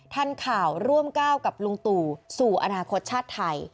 ทันข่าวร่วมก้าวกับลุงตู่สู่อนาคตชาติไทย